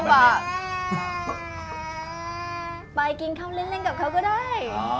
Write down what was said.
ไปกินข้าวเล่นกับเขาก็ได้